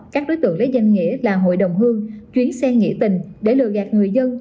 các đối tượng lấy danh nghĩa là hội đồng hương chuyến xe nghỉ tình để lừa gạt người dân